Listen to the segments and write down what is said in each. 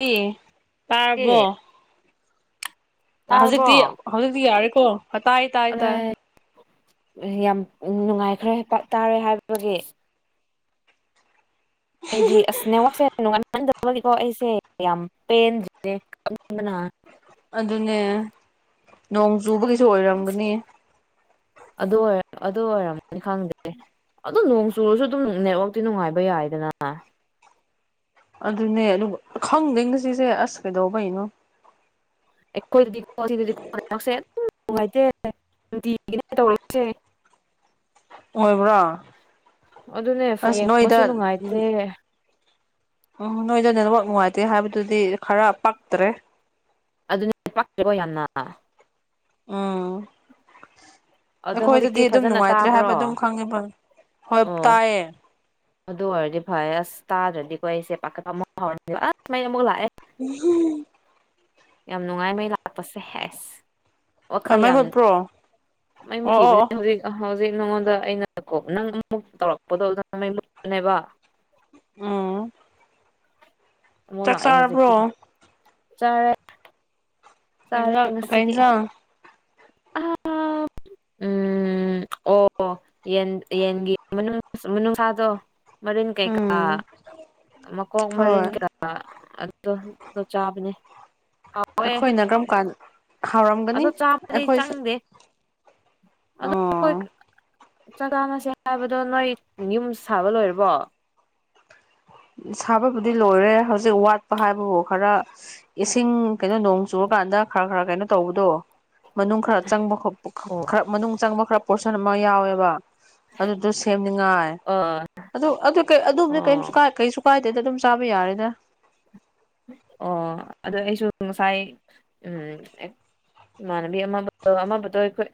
[unintelligible] ꯇꯥꯔꯕꯣ ꯑꯦ ꯑꯥ ꯍꯧꯖꯤꯛꯇꯤ ꯇꯥꯔꯕꯣ ꯍꯧꯖꯤꯛꯇꯤ ꯌꯥꯔꯦꯀꯣ ꯑꯥ ꯇꯥꯏ ꯇꯥꯏ ꯇꯥꯏ ꯌꯥꯝ ꯅꯨꯡꯉꯥꯏꯈ꯭ꯔꯦ [unintelligible] ꯇꯥꯔꯦ ꯍꯥꯏꯕꯒꯤ ꯑꯩꯗꯤ ꯑꯁ ꯅꯦꯠꯋꯥꯛꯁꯦ ꯅꯨꯡꯉꯥꯏꯃꯟꯗꯕꯒꯤꯀꯣ ꯑꯩꯁꯦ ꯌꯥꯝ ꯄꯦꯟꯗ꯭ꯔꯦ ꯀꯞꯅꯤꯡꯕꯅ ꯑꯗꯨꯅꯦ ꯅꯣꯡ ꯆꯨꯕꯒꯤꯁꯨ ꯑꯣꯏꯔꯝꯒꯅꯤ ꯑꯗꯨ ꯑꯣꯏ ꯑꯗꯨ ꯑꯣꯏꯔꯝꯒꯅꯤ ꯈꯪꯗꯦ ꯑꯗꯨꯝ ꯅꯣꯡ ꯆꯨꯔꯖꯨ ꯑꯗꯨꯝ ꯅꯦꯠꯋꯥꯛꯇꯤ ꯅꯨꯡꯉꯥꯏꯕ ꯌꯥꯏꯗꯅ ꯑꯗꯨꯅꯦ ꯑꯗꯨ ꯈꯪꯗꯦ ꯉꯁꯤꯁꯦ ꯑꯁ ꯀꯩꯗꯧꯕꯩꯅꯣ [unintelligible] ꯑꯣꯏꯕ꯭ꯔꯥ ꯑꯗꯨꯅꯦ ꯐꯣꯟ ꯌꯦꯡꯕꯁꯨ ꯅꯨꯡꯉꯥꯏꯇ꯭ꯔꯦ [unintelligible] ꯅꯣꯏꯗ ꯅꯦꯠꯋꯥꯛ ꯅꯨꯡꯉꯥꯏꯇꯦ ꯍꯥꯏꯕꯗꯨꯗꯤ ꯈꯔ ꯄꯛꯇ꯭ꯔꯦ ꯑꯗꯨꯅꯦ ꯄꯛꯇꯦꯀꯣ ꯌꯥꯝꯅ ꯑꯥ ꯑꯗꯣ ꯑꯈꯣꯏꯗꯗꯤ ꯍꯧꯖꯤꯛꯇꯤ ꯑꯗꯨꯝ ꯐꯖꯅ ꯅꯨꯡꯉꯥꯏꯇ꯭ꯔꯦ ꯍꯥꯏꯕ ꯑꯗꯨꯝ ꯇꯥꯕ꯭ꯔꯣ ꯈꯪꯉꯦꯕ ꯍꯣꯏ ꯑꯣ ꯇꯥꯏꯌꯦ ꯑꯗꯨ ꯑꯣꯏꯔꯗꯤ ꯐꯩꯌꯦ ꯑꯁ ꯇꯥꯗ꯭ꯔꯗꯤꯀꯣ ꯑꯩꯁꯦ ꯄꯥꯈꯠꯄ ꯑꯃ ꯐꯥꯎꯔꯅꯦꯕ ꯑꯁ ꯃꯩ ꯑꯃꯨꯛꯀ ꯂꯥꯛꯑꯦ [unintelligible] ꯌꯥꯝ ꯅꯨꯡꯉꯥꯏ ꯃꯩ ꯂꯥꯛꯄꯁꯦ ꯍꯦꯁ ꯋꯥꯈꯜ ꯃꯩ ꯌꯥꯝ ꯃꯨꯠꯄ꯭ꯔꯣ ꯃꯩ ꯑꯣ ꯑꯣ ꯃꯨꯠꯈꯤꯕꯖꯦ ꯑꯣ ꯍꯧꯖꯤꯛ ꯍꯧꯖꯤꯛ ꯅꯉꯣꯟꯗ ꯑꯩꯅ [unintelligible] ꯑꯃꯨꯛ ꯇꯧꯔꯛꯄꯗꯣ ꯑꯗꯨꯗ ꯃꯩ ꯃꯨꯠꯄꯅꯦꯕ ꯑꯣ ꯑꯃꯨꯛ ꯂꯥꯛꯑꯦ ꯆꯥꯔꯕ꯭ꯔꯣ ꯍꯧꯖꯤꯛꯇꯤ ꯆꯥꯔꯦ ꯀꯩ ꯆꯥꯔꯦ ꯏꯟꯖꯥꯡ ꯀꯩ ꯉꯁꯤꯗꯤ ꯏꯟꯖꯥꯡ ꯑꯥ ꯎꯝ ꯑꯣ ꯌꯦꯟ ꯌꯦꯟꯒꯤ ꯃꯅꯨꯡ ꯃꯅꯨꯡꯁꯥꯗꯣ ꯃꯔꯤꯟ ꯀꯩꯀꯥ ꯎꯝ ꯃꯀꯣꯛ ꯃꯔꯤꯟ ꯍꯣꯏ [unintelligible] ꯑꯥ ꯑꯗꯣ ꯑꯗꯣ ꯆꯥꯕꯅꯦ ꯍꯥꯎꯋꯦ ꯑꯩꯈꯣꯏꯅ ꯀꯔꯝ ꯀꯥꯟ ꯍꯥꯎꯔꯝꯒꯅꯤ ꯑꯩꯈꯣꯏꯁꯨ ꯑꯗꯨ ꯈꯣꯏ ꯑꯣ ꯆꯥꯛ ꯆꯥꯅꯁꯦ ꯍꯥꯏꯕꯗꯣ ꯅꯣꯏ ꯌꯨꯝ ꯁꯥꯕ ꯂꯣꯏꯔꯕꯣ ꯁꯥꯕꯕꯨꯗꯤ ꯂꯣꯏꯔꯦ ꯍꯧꯖꯤꯛ ꯋꯥꯠꯄ ꯍꯥꯏꯕꯕꯨ ꯈꯔ ꯏꯁꯤꯡ ꯀꯩꯅꯣ ꯅꯣꯡ ꯆꯨꯔꯀꯥꯟꯗ ꯈꯔ ꯈꯔ ꯀꯩꯅꯣ ꯇꯧꯕꯗꯣ ꯃꯅꯨꯡ ꯈꯔ ꯆꯪꯕ ꯈꯣꯠꯄ ꯑꯣ ꯈꯔ ꯃꯅꯨꯡ ꯆꯪꯕ ꯈꯔ ꯄꯣꯔꯁꯟ ꯑꯃ ꯌꯥꯎꯋꯦꯕ ꯑꯗꯨꯗꯣ ꯁꯦꯝꯅꯤꯡꯉꯥꯏ ꯑ ꯑꯗꯨ ꯑꯗꯨ ꯀꯩ ꯑꯗꯨꯕꯨꯗꯤ ꯑꯣ ꯀꯩꯝꯁꯨ ꯀꯥꯏ ꯀꯩꯁꯨ ꯀꯥꯏꯗꯦꯅ ꯑꯗꯨꯝ ꯆꯥꯕ ꯌꯥꯔꯦꯗ ꯑꯣ ꯑꯗꯣ ꯑꯩꯁꯨ ꯉꯁꯥꯏ ꯎꯝ ꯑꯦ ꯏꯃꯥꯟꯅꯕꯤ ꯑꯃꯕꯗꯣ ꯑꯃꯕꯨꯗꯣ ꯑꯩꯈꯣꯏ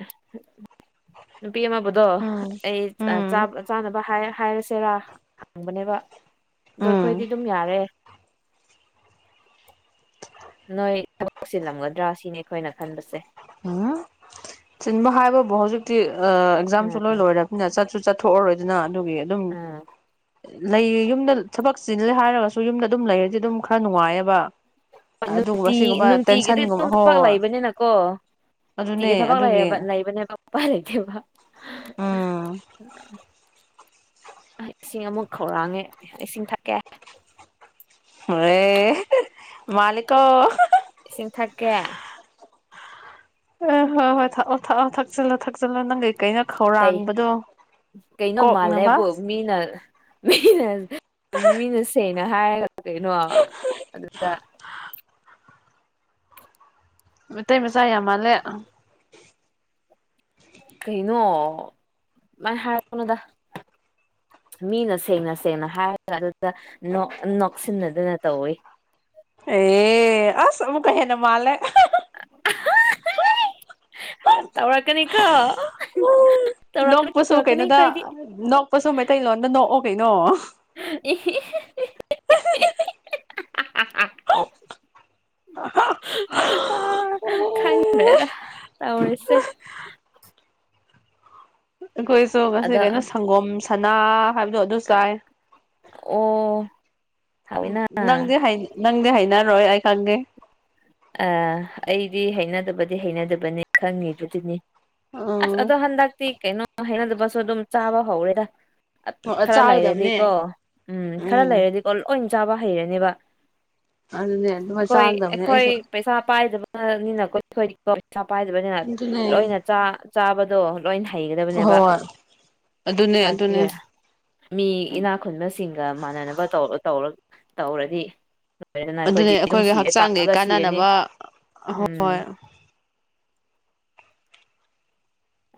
ꯅꯨꯄꯤ ꯑꯃꯕꯨꯗꯣ ꯎꯝ ꯑꯩ ꯑ ꯎꯝ ꯆꯥꯛ ꯆꯥꯅꯕ ꯍꯥꯏꯔ ꯍꯥꯏꯔꯁꯦꯔꯥ ꯍꯪꯕꯅꯦꯕ ꯗꯣ ꯎꯝ ꯈꯣꯏꯗꯤ ꯑꯗꯨꯝ ꯌꯥꯔꯦ ꯅꯣꯏ ꯊꯕꯛ ꯆꯤꯜꯂꯝꯒꯗ꯭ꯔꯥ ꯁꯤꯅꯤ ꯑꯩꯈꯣꯏꯅ ꯈꯟꯕꯁꯦ ꯎꯡ ꯆꯤꯟꯕ ꯍꯥꯏꯕꯕꯨ ꯍꯧꯖꯤꯛꯇꯤ ꯑ ꯑꯦꯛꯖꯥꯝꯁꯨ ꯎꯝ ꯂꯣꯏ ꯂꯣꯏꯔꯕꯅꯤꯅ ꯆꯠꯁꯨ ꯆꯠ ꯊꯣꯛꯑꯔꯣꯏꯗꯅ ꯑꯗꯨꯒꯤ ꯑꯗꯨꯝ ꯎꯝ ꯂꯩꯌꯦ ꯌꯨꯝꯗ ꯊꯕꯛ ꯆꯤꯜꯂꯦ ꯍꯥꯏꯔꯒꯁꯨ ꯌꯨꯝꯗ ꯑꯗꯨꯝ ꯂꯩꯔꯗꯤ ꯑꯗꯨꯝ ꯈꯔ ꯅꯨꯡꯉꯥꯏꯌꯦꯕ ꯑꯣꯏ ꯑꯗꯨꯒꯨꯝꯕ ꯅꯨꯡꯇꯤ ꯁꯤꯒꯨꯝꯕ ꯅꯨꯡꯇꯤꯒꯤꯗꯤ ꯑꯗꯨꯝ ꯇꯦꯟꯁꯟꯒꯨꯝꯕ ꯊꯕꯛ ꯍꯣꯏ ꯂꯩꯕꯅꯤꯅꯀꯣ ꯑꯗꯨꯅꯦ ꯇꯤꯒꯤ ꯊꯕꯛ ꯑꯗꯨꯒꯤ ꯂꯩꯌꯦꯕ ꯂꯩꯕꯅꯦꯕ ꯎꯄꯥꯏ ꯂꯩꯇꯦꯕ ꯎꯝ ꯑꯥꯏ ꯏꯁꯤꯡ ꯑꯃꯨꯛ ꯈꯧꯔꯥꯡꯉꯦ ꯏꯁꯤꯡ ꯊꯛꯀꯦ [unintelligible] ꯌꯦ ꯃꯥꯜꯂꯤꯀꯣ ꯏꯁꯤꯡ ꯊꯛꯀꯦ ꯑ ꯍꯣꯏ ꯍꯣꯏ ꯊꯛꯑꯣ ꯊꯛꯑꯣ ꯊꯛꯆꯜꯂꯣ ꯊꯛꯆꯜꯂꯣ ꯅꯪꯪ ꯂꯤꯛ ꯀꯩꯅꯣ ꯀꯩ ꯈꯧꯔꯥꯡꯕꯗꯣ ꯀꯩꯅꯣ ꯀꯣꯛꯅꯕ ꯃꯥꯜꯂꯦꯕꯨ ꯃꯤꯅ ꯃꯤꯅ ꯃꯤꯅ ꯁꯦꯡꯅ ꯍꯥꯏꯔꯒ ꯀꯩꯅꯣ ꯑꯗꯨꯗ ꯃꯇꯩ ꯃꯆꯥ ꯌꯥꯝ ꯃꯥꯜꯂꯦ ꯀꯩꯅꯣ ꯃꯥꯥꯏ ꯍꯥꯏꯔꯛꯀꯅꯣꯗꯥ ꯃꯤꯅ ꯁꯦꯡꯅ ꯁꯦꯡꯅ ꯍꯥꯏꯔꯒ ꯑꯗꯨꯗ ꯅꯣꯛ ꯅꯣꯛꯁꯤꯟꯅꯗꯅ ꯇꯧꯋꯤ ꯑꯦ ꯑꯁ ꯑꯃꯨꯛꯀ ꯍꯦꯟꯅ ꯃꯥꯜꯂꯦ ꯈꯔ ꯇꯧꯔꯛꯀꯅꯤ ꯀꯣ ꯅꯣꯛꯄꯁꯨ ꯀꯩꯅꯣꯗ ꯅꯣꯛꯄꯁꯨ ꯃꯩꯇꯩꯂꯣꯟꯗ ꯅꯣꯛꯑꯣ ꯀꯩꯅꯣ [unintelligible] ꯑ ꯑꯩꯈꯣꯏꯁꯨ ꯈꯪꯗ꯭ꯔꯦꯗ ꯇꯧꯔꯤꯁꯦ ꯑꯩꯈꯣꯏꯁꯨ ꯉꯁꯤ ꯑꯗꯣ ꯀꯩꯅꯣ ꯁꯪꯒꯣꯝ ꯁꯅꯥ ꯍꯥꯏꯕꯗꯣ ꯑꯗꯨ ꯆꯥꯏ ꯑꯣ ꯎꯝ ꯍꯥꯎꯋꯤꯅ ꯑ ꯅꯪꯗꯤ ꯍꯩ ꯅꯪꯗꯤ ꯍꯩꯅꯔꯣꯏ ꯑꯩ ꯈꯪꯉꯦ ꯑ ꯑꯩꯗꯤ ꯍꯩꯅꯗꯕꯗꯤ ꯍꯩꯅꯗꯕꯅꯤ ꯈꯪꯉꯤꯕꯗꯨꯅꯤ ꯑꯁ ꯎꯝ ꯑꯗꯣ ꯍꯟꯗꯛꯇꯤ ꯀꯩꯅꯣ ꯍꯩꯅꯗꯕꯁꯨ ꯑꯗꯨꯝ ꯆꯥꯕ ꯍꯧꯔꯦꯗ ꯑꯠ ꯈꯔ ꯆꯥꯒꯗꯕꯅꯦ ꯂꯩꯔꯗꯤꯀꯣ ꯎꯝ ꯈꯔ ꯂꯩꯔꯗꯤꯀꯣ ꯂꯣꯏ ꯆꯥꯕ ꯍꯩꯔꯅꯦꯕ ꯑꯗꯨꯅꯦ ꯑꯗꯨꯃꯥꯏ ꯑꯩꯈꯣꯏ ꯆꯥꯒꯗꯕꯅꯦ ꯑꯩꯈꯣꯏ ꯑꯩꯁꯨ ꯄꯩꯁꯥ ꯄꯥꯏꯗꯕꯅꯤꯅ ꯀꯣꯏꯊꯣꯛꯏꯗꯣ ꯄꯩꯁꯥ ꯄꯥꯏꯗꯕꯅꯤꯅ ꯑꯗꯨꯅꯦ ꯂꯣꯏꯅ ꯆꯥ ꯆꯥꯕꯗꯣ ꯂꯣꯏꯅ ꯍꯩꯒꯗꯕꯅꯦꯕ ꯍꯣꯏ ꯑꯗꯨꯅꯦ ꯀꯔꯤ ꯑꯗꯨꯅꯦ ꯃꯤ ꯏꯅꯥ ꯈꯨꯟꯕꯁꯤꯡꯒ ꯃꯥꯟꯅꯅꯕ ꯇꯧꯔ ꯇꯧꯔ ꯇꯧꯔꯗꯤ ꯂꯣꯏꯔꯦꯗꯅ ꯑꯗꯨꯅꯦ ꯑꯩꯈꯣꯏꯗꯤ ꯑꯗꯨꯝ ꯑꯩꯈꯣꯏꯒꯤ ꯁꯤꯔꯦ ꯍꯛꯆꯥꯡꯒꯤ ꯀꯥꯑꯒ ꯁꯤꯔꯅꯤ ꯀꯥꯟꯅꯅꯕ ꯎꯝ ꯍꯣꯏ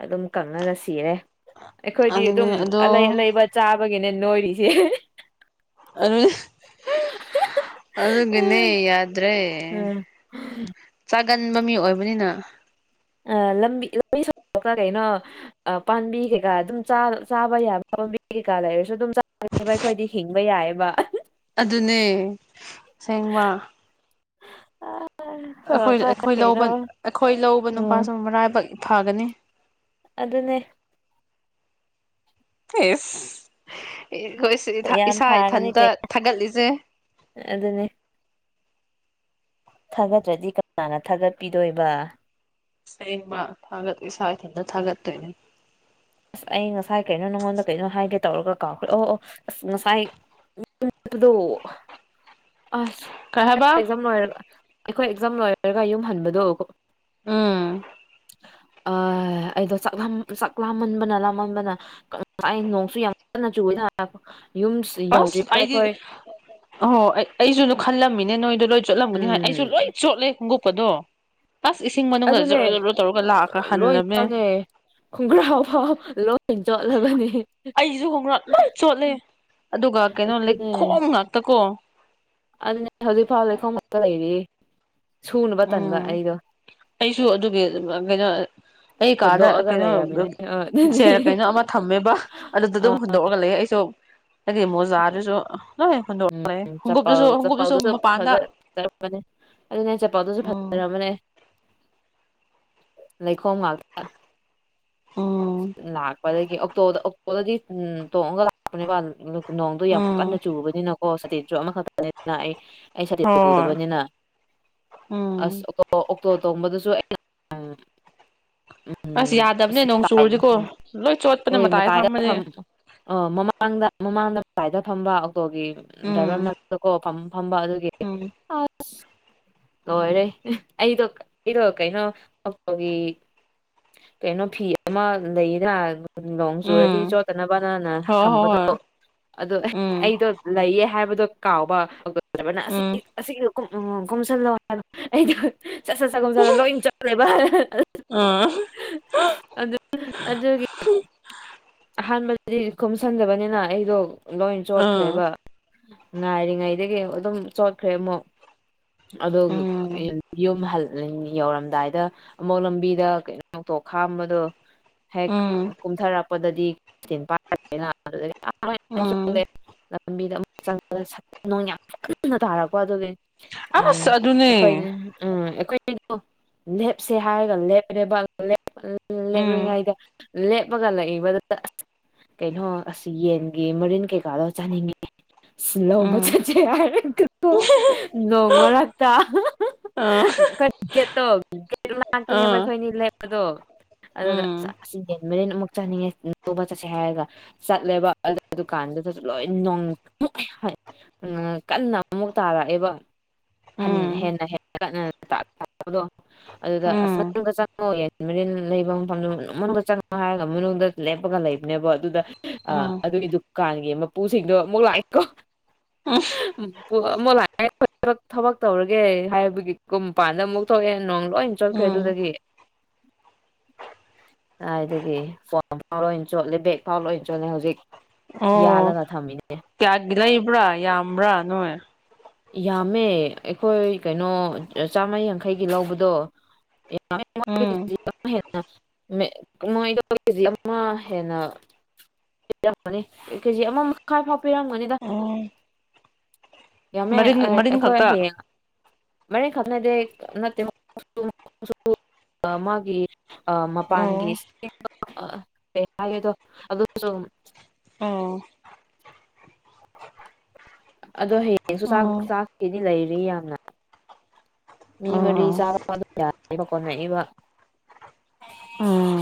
ꯑꯗꯨꯝ ꯀꯪꯉꯒꯥ ꯁꯤꯔꯦ ꯑꯩꯈꯣꯏꯗꯤ ꯑꯗꯨꯅꯦ ꯗꯨꯝ ꯑꯗꯣ ꯑꯂꯩ ꯑꯂꯩꯕ ꯆꯥꯕꯒꯤꯅꯦ ꯅꯣꯏꯔꯤꯁꯦ ꯑꯗꯨ ꯑꯗꯨꯒꯤꯅꯦ ꯌꯥꯗ꯭ꯔꯦ ꯎꯝ ꯆꯥꯒꯟꯕ ꯃꯤ ꯑꯣꯏꯕꯅꯤꯅ [unintelligible] [unintelligible] ꯅꯦꯕ ꯑꯩꯈꯣꯏꯗꯤ ꯍꯤꯡꯕ ꯌꯥꯏꯑꯦꯕ ꯑꯗꯨꯅꯦ ꯁꯦꯡꯕ ꯑꯩꯈꯣꯏ ꯁꯣꯔꯣꯛꯇ ꯑꯩꯈꯣꯏ ꯀꯩꯅꯣ ꯂꯧꯕ ꯑꯩꯈꯣꯏ ꯂꯧꯕ ꯎꯝ ꯅꯨꯄꯥꯁꯨ ꯃꯔꯥꯏꯕꯛ ꯐꯒꯅꯤ ꯑꯗꯨꯅꯦ ꯑꯦꯁ ꯑꯩꯈꯣꯏ ꯁꯨ ꯏꯊꯥ ꯌꯥꯝ ꯏꯁꯥ ꯏꯊꯟꯇ ꯊꯥꯒꯠꯂꯤꯁꯦ ꯑ ꯑꯗꯨꯅꯦ ꯊꯥꯒꯠꯇ꯭ꯔꯗꯤ ꯀꯅꯥꯅ ꯊꯥꯒꯠꯄꯤꯗꯣꯏꯕ ꯁꯦꯡꯃ ꯊꯥꯒꯠ ꯏꯁꯥ ꯏꯊꯟꯇ ꯊꯥꯒꯠꯇꯣꯏꯅꯦ ꯑꯁ ꯑꯩ ꯉꯁꯥꯏ ꯀꯩꯅꯣ ꯅꯪꯉꯣꯟꯗ ꯀꯩꯅꯣ ꯍꯥꯏꯒꯦ ꯇꯧꯔꯒ ꯀꯥꯎꯈ꯭ꯔꯦ ꯑꯣ ꯑꯣ ꯑꯁ ꯉꯁꯥꯏ ꯗꯨꯗꯣ ꯑꯁ ꯀꯩ ꯍꯥꯏꯕ ꯑꯦꯛꯖꯥꯝ ꯂꯣꯏꯔꯒ ꯑꯩꯈꯣꯏ ꯑꯦꯛꯖꯥꯝ ꯂꯣꯏꯔꯒ ꯌꯨꯝ ꯍꯟꯕꯗꯣ ꯎꯝ ꯑ ꯑꯩꯗꯣ ꯆꯥꯛ ꯂꯥꯝ ꯆꯥꯛ ꯂꯥꯝ [unintelligible] ꯑꯁ ꯌꯥꯎꯗ꯭ꯔꯤꯕ ꯑꯩꯗꯤ ꯑꯩꯈꯣꯏ ꯑꯍꯣ ꯑꯩꯁꯨ ꯑꯗꯨ ꯈꯜꯂꯝꯃꯤꯅꯦ ꯅꯣꯏꯗꯣ ꯂꯣꯏ ꯆꯣꯠꯂꯝꯒꯅꯤ ꯍꯥꯏ ꯑꯩꯁꯨ ꯎꯝ ꯂꯣꯏ ꯆꯣꯠꯂꯦ ꯈꯣꯡꯎꯨꯞꯀ ꯗꯣ ꯑꯁ ꯏꯁꯤꯡ ꯃꯅꯨꯡꯗ ꯑꯗꯨꯅꯦ ꯖꯔꯣ ꯖꯔꯣ ꯇꯧꯔꯒ ꯂꯥꯛꯈ ꯂꯣꯏ ꯍꯜꯂꯃꯦ ꯆꯪꯉꯦ ꯈꯣꯡꯒ꯭ꯔꯥꯎ ꯐꯥꯎ ꯂꯣꯏ ꯆꯣꯠꯂꯕꯅꯤ ꯑꯩꯁꯨ ꯈꯣꯡꯒ꯭ꯔꯥꯎ ꯂꯣꯏ ꯆꯣꯠꯂꯦ ꯑꯗꯨꯒ ꯀꯩꯅꯣ ꯂꯩꯈꯣꯝ ꯉꯥꯛꯇ ꯀꯣ ꯑꯗꯨꯅꯦ ꯍꯧꯖꯤꯛꯐꯥꯎ ꯂꯩꯈꯣꯝꯃꯛꯇ ꯂꯩꯔꯤꯌꯦ ꯁꯨꯅꯕ ꯇꯟꯕ ꯎꯝ ꯑꯩꯗꯣ ꯑꯩꯁꯨ ꯑꯗꯨꯒꯤ ꯀꯩꯅꯣ ꯑꯩ ꯀꯥꯗ ꯍꯨꯟꯗꯣꯛꯑꯒ ꯀꯩꯅꯣ ꯂꯩꯔꯝꯃꯤꯅꯦ ꯑ ꯑꯗꯨꯅꯦ ꯆꯦꯔ ꯀꯩꯅꯣ ꯑꯃ ꯊꯝꯃꯦꯕ ꯑꯗꯨꯗ ꯑꯗꯨꯝ ꯍꯨꯟꯗꯣꯛꯑꯒ ꯂꯩ ꯑꯩ ꯁꯨ ꯑꯩꯒꯤ ꯃꯣꯖꯥꯗꯨꯁꯨ ꯂꯣꯏ ꯍꯨꯟꯗꯣꯛ ꯂꯩ ꯎꯝ ꯆꯄꯜ ꯈꯨꯉꯨꯞꯇꯨꯁꯨ ꯈꯨꯉꯨꯞꯇꯨꯁꯨ ꯆꯄꯜꯗꯨꯁꯨ ꯃꯄꯥꯟꯗ ꯐꯖꯔꯕꯅꯦ ꯑꯗꯨꯅꯦ ꯑꯩ ꯆꯄꯜꯗꯨꯁꯨ ꯎꯝ ꯐꯖꯔꯕꯅꯦ ꯂꯩꯈꯣꯝ ꯉꯥꯛꯇ ꯎꯝ ꯂꯥꯛꯄꯗꯒꯤ ꯑꯣꯛꯇꯣꯗ ꯑꯣꯛꯇꯣꯗꯗꯤ ꯇꯣꯡꯉꯒ ꯂꯥꯛꯄꯅꯦꯕ ꯗꯨ ꯅꯣꯡꯗꯣ ꯌꯥꯝ ꯀꯟꯅ ꯎꯝ ꯆꯨꯕꯅꯤꯅꯀꯣ ꯁꯥꯇꯤꯟꯁꯨ ꯑꯃꯈꯛꯇꯅꯤꯅ ꯑꯩ ꯑꯩ ꯁꯇꯤꯟ ꯍꯣꯏ ꯄꯨꯗꯕꯅꯤꯅ ꯑꯁ ꯎꯝ ꯑꯣꯛꯇꯣ ꯑꯣꯛꯇꯣ ꯇꯣꯡꯕꯗꯨꯁꯨ ꯑꯩꯅ ꯑꯁ ꯎꯝ ꯌꯥꯗꯕꯅꯦ ꯅꯣꯡ ꯃꯇꯥꯏ ꯆꯨꯔꯗꯤꯀꯣ ꯂꯣꯏ ꯆꯣꯠꯄꯅꯦ ꯃꯇꯥꯏ ꯐꯝꯕꯗꯤ ꯑꯣ ꯃꯃꯥꯡꯗ ꯃꯃꯥꯡꯗ ꯃꯇꯥꯏꯗ ꯐꯝꯕ ꯑꯣꯇꯣꯒꯤ ꯗ꯭ꯔꯥꯏꯚꯔ ꯎꯝ ꯃꯔꯛꯇ ꯀꯣ ꯐꯝꯕ ꯐꯝꯕ ꯑꯗꯨꯒꯤ ꯎꯝ ꯑꯁ ꯂꯣꯏꯔꯦ ꯑꯩꯗꯣ ꯑꯩꯗꯣ ꯀꯩꯅꯣ ꯑꯣꯛꯇꯣꯒꯤ ꯀꯩꯅꯣ ꯐꯤ ꯑꯃ ꯂꯩꯗ ꯅꯣꯡ ꯆꯨꯔꯗꯤ ꯎꯝ ꯆꯣꯠꯇꯅꯕꯅꯅ ꯍꯣꯏ ꯍꯣꯏ ꯊꯝꯕꯗꯣ ꯍꯣꯏ ꯑꯗꯣ ꯎꯝ ꯑꯩꯗꯣ ꯎꯝ ꯑꯥ [unintelligible] [unintelligible] [unintelligible] ꯑꯍꯥꯟꯕꯗꯗꯤ ꯈꯨꯝꯁꯟꯗꯕꯅꯤꯅ ꯑꯩꯗꯣ ꯂꯣꯏ ꯑꯥ ꯆꯣꯠꯈ꯭ꯔꯦꯕ ꯉꯥꯏꯔꯤꯉꯩꯗꯒꯤ ꯑꯗꯨꯝ ꯆꯣꯠꯈ꯭ꯔꯦ ꯑꯃꯨꯛ ꯑꯗꯣ ꯎꯝ ꯌꯨ ꯌꯨꯝꯍꯜ ꯂꯤꯟ ꯌꯧꯔꯝꯗꯥꯏꯗ ꯑꯃꯨꯛ ꯂꯝꯕꯤꯗ ꯀꯩꯅꯣꯇꯧ ꯈꯥꯝꯕꯗꯣ ꯍꯦꯛ ꯎꯝ ꯀꯨꯝꯊꯔꯛꯄꯗꯗꯤ [inaudible] [inaudible] ꯎꯝ ꯅꯣꯡ ꯌꯥꯝ ꯀꯟꯅ ꯇꯥꯔꯛꯄ ꯑꯗꯨꯒꯤ ꯑꯁ ꯎꯝ ꯑꯗꯨꯅꯦ ꯑꯩꯈꯣꯏ [inaudible] ꯂꯦꯞꯁꯦ ꯍꯥꯏꯔꯒ ꯂꯦꯞꯔꯦꯕ [inaudible] ꯎꯝ ꯂꯦꯞꯄꯒ [inaudible] ꯀꯩꯅꯣ ꯑꯁ ꯌꯦꯟꯒꯤ ꯃꯔꯤꯟ ꯀꯩꯀꯥꯗꯣ ꯆꯥꯅꯤꯡꯉꯤ ꯁꯤ ꯂꯧꯕ ꯎꯝ ꯆꯠꯁꯦ ꯍꯥꯏꯔꯒꯀꯣ ꯅꯣꯡ ꯃꯔꯛꯇ ꯎꯝ [inaudible] ꯈꯣꯏꯅꯤ ꯂꯦꯞꯄꯗꯣ ꯑꯗꯨꯗ ꯌꯦꯟ ꯃꯔꯤꯟ ꯑꯃꯨꯛ ꯆꯠꯅꯤꯡꯉꯦ ꯂꯧꯕ ꯆꯠꯁꯦ ꯍꯥꯏꯔꯒ ꯆꯠꯂꯦꯕ [inaudible] ꯀꯟꯅ ꯑꯃꯨꯛ ꯇꯥꯔꯛꯑꯦꯕ ꯍꯟ ꯍꯦꯟꯅ ꯍꯦꯟꯀꯠꯅ [inaudible] ꯃꯔꯤꯟ ꯂꯩꯕ ꯃꯐꯝꯗꯨ ꯃꯅꯨꯡꯗ ꯆꯪꯉꯣ ꯍꯥꯏꯔꯒ ꯃꯅꯨꯡꯗ ꯂꯦꯞꯄꯒ ꯂꯩꯕꯅꯦꯕ ꯑꯗꯨꯗ ꯑ ꯑꯗꯨꯒꯤ ꯗꯨꯀꯥꯟꯒꯤ ꯃꯄꯨꯁꯤꯡꯗꯣ ꯑꯃꯨꯛ ꯂꯥꯛꯑꯦ ꯀꯣ ꯃꯄꯨ [unintelligible] ꯊꯕꯛ ꯊꯕꯛ ꯇꯧꯔꯒꯦ ꯍꯥꯏꯕꯒꯤ ꯀꯨꯝꯄꯥꯟꯗ ꯑꯃꯨꯛ ꯊꯣꯛꯑꯦ ꯅꯣꯡ ꯂꯣꯏ ꯆꯣꯠꯈ꯭ꯔꯦ ꯑꯗꯨꯗꯒꯤ ꯀꯥꯏꯗꯒꯤ ꯐꯣꯟ ꯐꯥꯎ ꯂꯣꯏ ꯆꯣꯠꯂꯦ ꯕꯦꯛ ꯐꯥꯎ ꯂꯣꯏꯅ ꯆꯣꯠꯂꯦ ꯍꯧꯖꯤꯛ ꯑꯣ ꯌꯥꯜꯂꯒ ꯊꯝꯃꯤꯅꯦ ꯀꯌꯥꯒꯤ ꯂꯩꯕ꯭ꯔꯥ ꯌꯥꯝꯕ꯭ꯔꯥ ꯅꯣꯏ ꯌꯥꯝꯃꯦ ꯑꯩꯈꯣꯏ ꯀꯩꯅꯣ ꯆꯥꯝꯃ ꯌꯥꯡꯈꯩꯒꯤ ꯂꯧꯕꯗꯣ [inaudible] [inaudible] ꯎꯝ ꯃꯣꯏꯗꯣ ꯀꯦꯖꯤ ꯑꯃ ꯍꯦꯟꯅ [inaudible] ꯀꯦꯖꯤ ꯑꯃ ꯃꯈꯥꯏ ꯐꯥꯎ ꯄꯤꯔꯝꯒꯅꯤꯗ ꯎꯝ ꯌꯥꯝꯃꯦ ꯃꯔꯤꯟ ꯑꯥ ꯃꯔꯤꯟ ꯑꯩꯈꯣꯏ ꯈꯛꯇ ꯍꯌꯦꯡ [inaudible] ꯃꯥꯒꯤ ꯑ ꯑꯣ ꯃꯄꯥꯟꯒꯤꯗ [inaudible] ꯎꯝ ꯑꯗꯣ ꯍꯌꯦꯡꯁꯨ ꯆꯥꯛ ꯑꯣ ꯆꯥꯛꯀꯤꯗꯤ ꯂꯩꯔꯤ ꯌꯥꯝꯅ ꯃꯤ ꯃꯔꯤ ꯑꯣ ꯆꯥꯕ [inaudible] ꯀꯣꯅꯩꯕ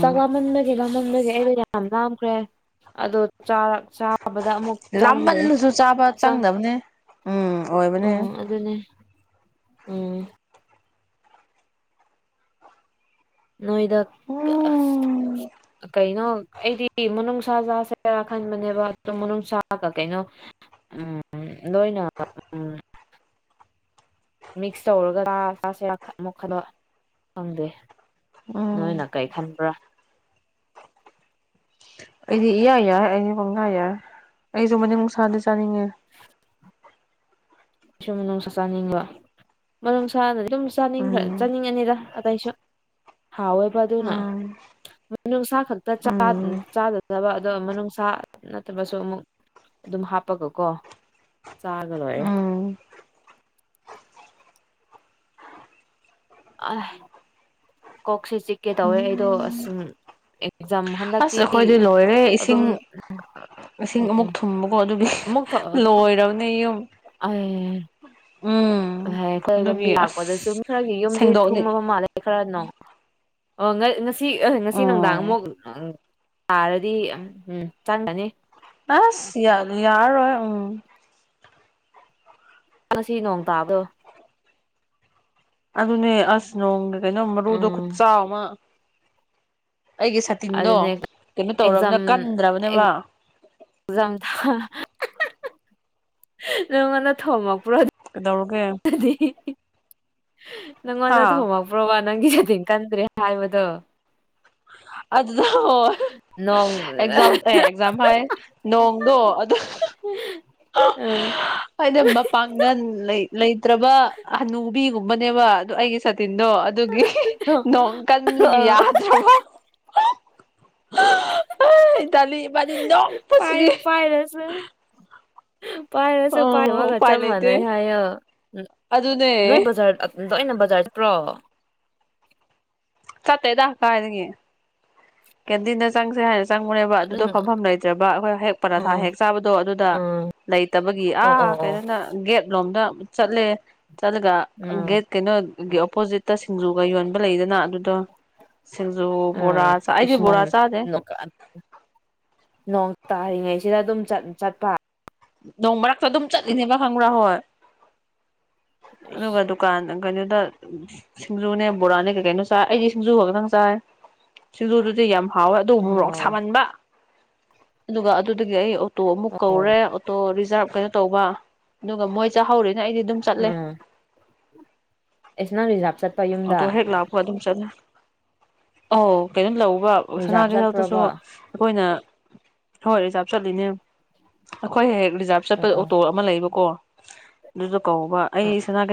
ꯆꯥꯛ ꯂꯥꯝꯃꯟꯕꯒꯤ ꯂ ꯃꯝꯕꯒꯤ ꯑꯩꯗꯣ ꯌꯥꯝ ꯂꯥꯝꯈ꯭ꯔꯦ ꯑꯗꯣ ꯆꯥꯔꯛ ꯆꯥꯕꯗ ꯑꯃꯨꯛ ꯆꯪꯗ꯭ꯔꯦ ꯂꯥꯝꯃꯟꯕꯖꯨ ꯆꯥꯕ ꯆꯪ ꯆꯪꯗꯕꯅꯦ ꯎꯝ ꯑꯣꯏꯕꯅꯦ ꯑꯗꯨꯅꯤ ꯎꯝ ꯅꯣꯏꯗ ꯀ [inaudible] ꯀꯩꯅꯣ ꯑꯩꯗꯤ ꯃꯅꯨꯡꯁꯥ ꯆꯥꯁꯦꯔꯥ ꯈꯟꯕꯅꯦꯕ ꯑꯗꯣ ꯃꯅꯨꯡꯁꯥꯒ ꯀꯩꯅꯣ ꯎꯝ ꯅꯣꯏꯅ ꯎꯝ ꯃꯤꯛꯁ ꯇꯧꯔꯒ ꯆꯥ ꯆꯥꯁꯦꯔ ꯈꯟ ꯑꯃꯨꯛ ꯈꯟꯕ ꯈꯪꯗꯦ ꯎꯝ ꯅꯣꯏꯅ ꯀꯩ ꯈꯟꯕ꯭ꯔꯥ ꯑꯩꯗꯤ ꯏꯌꯥ ꯌꯥꯏ ꯑꯩꯗꯤ ꯄꯪꯌꯥ ꯌꯥꯏ ꯑꯩꯖꯨ ꯃꯅꯨꯡꯁꯥꯗꯤ ꯆꯥꯅꯤꯡꯉꯦ ꯏꯁꯨꯝ ꯅꯨꯡꯁꯨ ꯆꯥꯅꯤꯡꯕ ꯃꯅꯨꯡꯁꯥꯅꯗꯤ ꯑꯗꯨꯝ ꯆꯥꯅꯤꯡꯈ꯭ꯔ ꯎꯝ ꯆꯥꯅꯤꯡꯉꯥꯅꯤꯗ ꯑꯇꯩꯁꯨ ꯍꯥꯎ ꯋꯦꯕ ꯑꯗꯨꯅ ꯎꯝ ꯃꯅꯨꯡꯁꯥ ꯈꯛꯇ ꯆꯥꯛ ꯎꯝ ꯆꯥꯒꯗꯕ ꯑꯗꯣ ꯃꯅꯨꯡꯁꯥ ꯅꯠꯇꯕꯁꯨ ꯑꯃꯨꯛ ꯗꯨꯝ ꯍꯥꯞꯄꯒꯀꯣ ꯆꯥꯔꯒ ꯂꯣꯏꯔꯦ ꯎꯝ ꯑꯥꯏ ꯀꯣꯛꯁꯤ ꯆꯤꯛꯀꯦ ꯇꯧꯋꯦ ꯑꯩꯗꯣ ꯑꯁ ꯎꯝ ꯁꯨꯝ ꯑꯦꯛꯖꯥꯝ ꯑꯁ ꯍꯟꯗꯛꯀꯤ ꯑꯩꯈꯣꯏꯗꯤ ꯂꯣꯏꯔꯦ ꯏꯁꯤꯡ ꯑꯗꯨꯝ ꯏꯁꯤꯡ ꯑꯃꯨꯛ ꯊꯨꯝꯕꯀꯣ ꯑꯗꯨꯒꯤ ꯑꯃꯨꯛ ꯂꯣꯏꯔꯕꯅꯦ ꯌꯨꯝ ꯑꯩ ꯎꯝ ꯍꯥꯏ ꯈꯣꯏ ꯂꯝꯕꯤ ꯑꯗꯨꯒꯤ ꯑꯁ ꯂꯥꯛꯄꯗꯁꯨ ꯃꯤ ꯈꯔꯒꯤ ꯌꯨꯝꯗꯤ ꯁꯦꯡꯗꯣꯛꯅꯤ ꯊꯨꯝꯃꯕ ꯃꯥꯜꯂꯦ ꯑꯩ ꯈꯔ ꯅꯣꯡ ꯑꯣ ꯉ ꯉꯁꯤ ꯑꯥ ꯉꯁꯤ ꯅꯨꯡꯗꯥꯡ ꯎꯝ ꯑꯃꯨꯛ [unintelligible] ꯇꯥꯔꯗꯤ [unintelligible] ꯎꯝ ꯆꯪꯒꯅꯤ ꯑꯁ ꯌꯥꯗꯤ ꯌꯥꯔꯣꯏ ꯎꯝ ꯉꯁꯤ ꯅꯣꯡ ꯇꯥꯕꯗꯣ ꯑꯗꯨꯅꯦ ꯑꯁ ꯅꯣꯡꯒꯤ ꯀꯩꯅꯣ ꯃꯔꯨꯗꯣ ꯎꯝ ꯈꯨꯠꯆꯥꯎ ꯑꯃꯥ ꯑꯩꯒꯤ ꯁꯥꯇꯤꯟꯗꯣ ꯑꯗꯨꯅꯦ ꯀꯩꯅꯣ ꯑꯦꯛꯖꯥꯝ ꯇꯧꯔꯝꯅ ꯀꯟꯗ꯭ꯔꯕꯅꯦꯕ ꯖꯥꯡ ꯊꯥ ꯅꯪ ꯉꯣꯟꯗ ꯊꯣꯝ ꯃꯛꯄ꯭ꯔꯣ ꯀꯩꯗꯧꯔꯒꯦ ꯑꯗꯒꯤ ꯍꯥ ꯅꯪꯉꯣꯟꯗ ꯊꯣꯝꯃꯛ ꯕ꯭ꯔꯣꯕ ꯅꯪꯒꯤ ꯁꯇꯤꯟ ꯀꯟꯗ꯭ꯔꯦ ꯍꯥꯏꯕꯗꯣ ꯑꯗꯨꯗ [unintelligible] ꯅꯣꯡ ꯑꯦꯛꯖꯥꯝ ꯑꯦꯛ ꯖꯥꯝ ꯍꯥꯏ ꯅꯣꯡꯗꯣ ꯑꯗꯨ [unintelligible] [unintelligible] [unintelligible] ꯑꯩꯅ ꯃꯄꯥꯡꯒꯟ ꯂꯩ ꯂꯩꯇ꯭ꯔꯕ ꯍꯅꯨ ꯕꯤꯒꯨꯝꯕꯅꯦꯕ ꯑꯗꯨ ꯑꯩꯒꯤ ꯁꯥꯇꯤꯟꯗꯣ ꯑꯗꯨꯒꯤ ꯅꯣꯡ ꯀꯟꯕꯒꯤ ꯌꯥ [unintelligible] ꯏꯇꯥꯂꯤ ꯏꯕꯥꯅꯤ ꯅꯣꯛꯄꯁꯤꯗꯤ ꯄꯥꯏꯔꯁꯨ ꯄꯥꯏꯔꯁꯨ ꯑꯣ ꯄꯥꯏꯗꯕꯒ ꯎꯄꯥꯏ ꯆꯞ ꯂꯩꯇꯦ ꯃꯥꯟꯅꯩ ꯍꯥꯏꯌꯣ ꯑꯗꯨꯅꯦ ꯅꯣꯏ ꯕꯖꯥꯔ ꯑꯕ ꯂꯣꯏꯅ ꯕꯖꯥꯔ ꯆꯠꯄ꯭ꯔꯣ ꯆꯠꯇꯦꯗ ꯀꯥꯏꯗꯒꯤ ꯀꯦꯟꯇꯤꯟꯗ ꯆꯪꯁꯦ ꯍꯥꯏꯅ ꯆꯪꯉꯨꯔꯦꯕ ꯑꯗꯨ ꯑꯗꯨꯗꯣ ꯐꯝꯐꯝ ꯂꯩꯇ꯭ꯔꯕ ꯑꯈꯣꯏ ꯍꯦꯛ ꯄꯔꯊꯥ ꯎꯝ ꯍꯦꯛ ꯆꯥꯕꯗꯣ ꯑꯗꯨꯗ ꯎꯝ ꯂꯩꯇꯕꯒꯤ ꯑꯣ ꯑꯥ ꯑꯣ ꯑꯣ ꯀꯩꯅꯣꯗ ꯒꯦꯠꯂꯣꯝꯗ ꯆꯠꯂꯦ ꯆꯠꯂꯒ ꯎꯝ ꯒꯦꯠ ꯀꯩꯅꯣꯒꯤ ꯑꯣꯄꯣꯖꯤꯠꯇ ꯁꯤꯡꯖꯨꯒ ꯌꯣꯟꯕ ꯂꯩꯗꯅ ꯑꯗꯨꯗꯣ ꯁꯤꯡꯖꯨ ꯕꯣꯔꯥ ꯎꯝ ꯑꯩꯗꯤ ꯏꯁ ꯕꯣꯔꯥ ꯅꯪ ꯆꯥꯗꯦ [unintelligible] ꯅꯣꯡ ꯇꯥꯔꯤꯉꯩꯁꯤꯗ ꯑꯗꯨꯝ ꯆꯠ ꯆꯠꯄ ꯅꯣꯡ ꯃꯔꯛꯇ ꯑꯗꯨꯝ ꯆꯠꯂꯤꯅꯦꯕ ꯈꯪꯕ꯭ꯔꯥ ꯍꯣꯏ ꯏꯁ ꯑꯗꯨꯒ ꯗꯨꯀꯥꯟ ꯀꯩꯅꯣꯗ ꯁꯤꯡꯖꯨꯅꯦ ꯕꯣꯔꯥꯅꯦ ꯀꯩꯀꯩꯅꯣ ꯆꯥ ꯑꯩꯗꯤ ꯁꯤꯡꯖꯨ ꯒ ꯒꯇꯪ ꯆꯥꯏ ꯁꯤꯡꯖꯨ ꯗꯨꯗꯤ ꯌꯥꯝ ꯍꯥꯎꯋꯦ ꯑꯗꯨ ꯃꯣꯔꯣꯛ ꯑꯣ ꯁꯥꯃꯟꯕ ꯑꯗꯨꯒ ꯑꯗꯨꯗꯒꯤ ꯑꯩ ꯇꯣ ꯑꯃꯨꯛ ꯀꯧꯔꯦ ꯑꯣ ꯑꯣꯇꯣ ꯔꯤꯖꯥꯕ ꯀꯩꯅꯣ ꯇꯧꯕ ꯑꯗꯨꯒ ꯃꯣꯏ ꯆꯥꯍꯧꯔꯤꯅ ꯑꯩꯗꯤ ꯗꯨꯝ ꯆꯠꯂꯦ ꯏꯁ ꯅꯪ ꯔꯤꯖꯥꯞ ꯆꯠ ꯑꯣꯇꯣ ꯍꯦꯛ ꯂꯥꯛꯄ ꯑꯗꯨꯝ ꯆꯠꯂꯦ ꯑꯧ ꯀꯩꯅꯣ ꯂꯧꯕ ꯁꯅꯥ ꯔꯤꯖꯥꯕ ꯀꯩꯊꯦꯜ ꯇꯁꯨ ꯆꯠꯄ꯭ꯔꯕ ꯑꯈꯣꯏꯅ ꯍꯣꯏ ꯔꯤꯖꯥꯕ ꯆꯠꯂꯤꯅꯦ ꯑꯈꯣꯏ ꯍꯦꯛ ꯍꯦꯛ ꯔꯤꯖꯥꯕ ꯑꯣ ꯆꯠꯄꯗ ꯑꯣ ꯑꯣ ꯑꯣꯇꯣ ꯑꯃꯥ ꯂꯩꯕꯀꯣ ꯗꯨꯗ‌ꯣ ꯀꯧꯕ ꯑꯩ ꯁꯅꯥ